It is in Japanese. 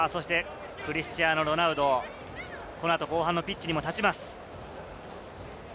クリスティアーノ・ロナウド、このあと後半のピッチにも立ちます。